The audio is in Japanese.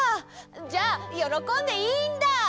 じゃあよろこんでいいんだ！